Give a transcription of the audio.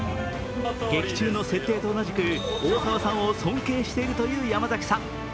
劇中の設定と同じく大沢さんを尊敬しているという山崎さん。